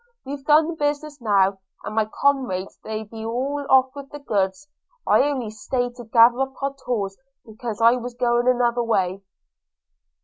We've done the business now, and my comrades they be all off with the goods – I only staid to gather up our tools, because I be going another way.'